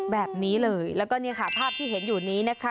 แบบนี้เลยแล้วก็เนี่ยค่ะภาพที่เห็นอยู่นี้นะคะ